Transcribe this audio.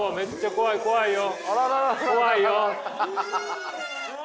怖いよ。